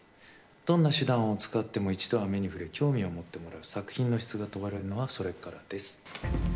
どんな手段を使っても一度は見てもらえる興味を持ってもらえる作品の質が問われるのはそれからです。